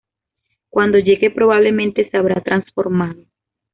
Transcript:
cuando llegue probablemente se habrá transformado